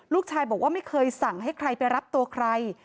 ลูกชายบอกว่าไม่เคยสั่งให้ใครไปรับตัวใคร